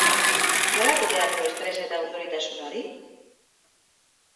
Nola kudeatu estres eta urduritasun hori?